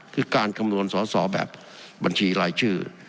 คือการคำนวณสอสอแบบบัญชีรายชื่อ